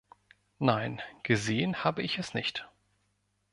Nein, gesehen habe ich es nicht.